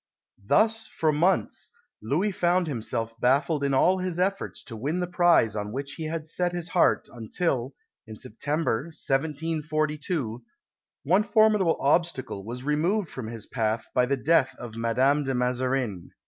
Thus, for months, Louis found himself baffled in all his efforts to win the prize on which he had set his heart until, in September, 1742, one formidable obstacle was removed from his path by the death of Madame de Mazarin.